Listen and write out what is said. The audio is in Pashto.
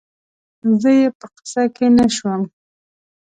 زه یې په قصه کې نه شوم